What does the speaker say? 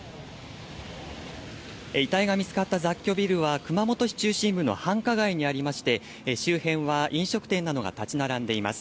遺体が見つかった雑居ビルは、熊本市中心部の繁華街にありまして、周辺は飲食店などが建ち並んでいます。